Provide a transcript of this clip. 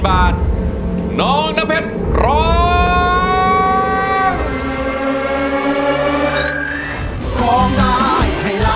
โปรดติดตามตอนต่อไป